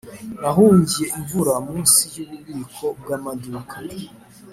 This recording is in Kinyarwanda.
nahungiye imvura munsi yububiko bwamaduka.